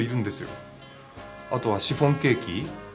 あとはシフォンケーキ。